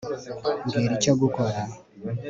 mbwira icyo gukora